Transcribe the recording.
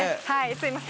すみません。